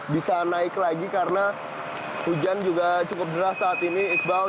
bisa naik lagi karena hujan juga cukup deras saat ini iqbal